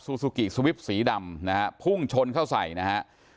ซูกิสวิปสีดำนะฮะพุ่งชนเข้าใส่นะฮะ